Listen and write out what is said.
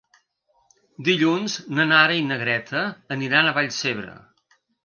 Dilluns na Nara i na Greta aniran a Vallcebre.